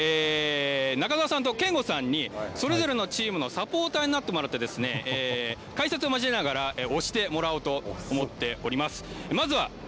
スタジオにいらっしゃいます中澤さんと憲剛さんにそれぞれのチームのサポーターになってもらって解説を交えながら推してもらおうと思っております。